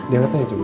dia ngetanya juga